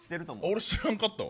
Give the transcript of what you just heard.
俺、知らんかったわ。